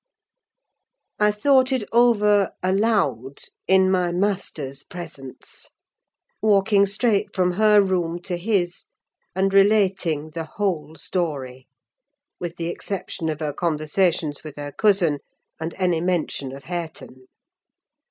I thought it over aloud, in my master's presence; walking straight from her room to his, and relating the whole story: with the exception of her conversations with her cousin, and any mention of Hareton.